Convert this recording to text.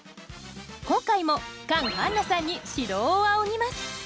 今回もカン・ハンナさんに指導を仰ぎます